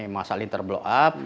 masa lintar blow up